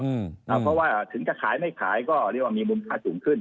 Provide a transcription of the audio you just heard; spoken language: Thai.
เพราะว่าถึงจะขายไม่ขายก็เรียกว่ามีมูลค่าสูงขึ้น